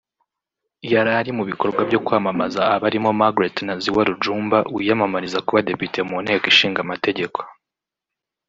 yari ari mu bikorwa byo kwamamaza abarimo Magret Naziwa Rujunba wiyamamariza kuba Depite mu Nteko Ishinga Amategeko